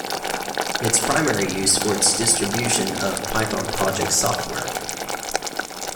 Its primary use is for distribution of the Python project software.